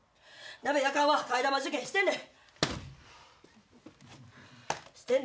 なべやかんは替え玉受験してんねん。